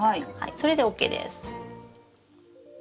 それでＯＫです。